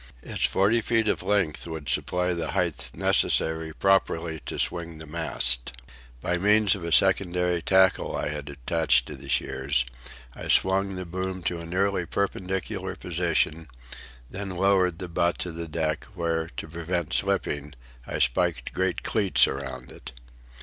Its forty feet of length would supply the height necessary properly to swing the mast. By means of a secondary tackle I had attached to the shears, I swung the boom to a nearly perpendicular position, then lowered the butt to the deck, where, to prevent slipping, I spiked great cleats around it.